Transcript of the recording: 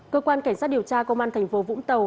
cơ quan cảnh sát điều tra công an thành phố vũng tàu